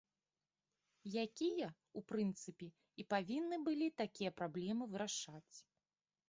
Якія, у прынцыпе, і павінны былі такія праблемы вырашаць.